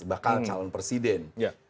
bahkan calon presiden